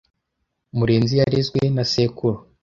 Murenzi yarezwe na sekuru.